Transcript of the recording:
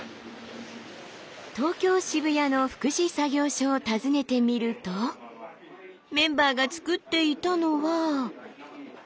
東京・渋谷の福祉作業所を訪ねてみるとメンバーが作っていたのは。